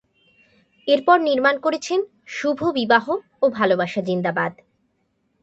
এরপর নির্মাণ করেছেন ‘শুভ বিবাহ’ ও ‘ভালোবাসা জিন্দাবাদ’।